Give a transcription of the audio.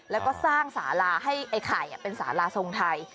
แล้วก็สร้างสาราให้ไอ้ไข่เป็นสาราทรงไทย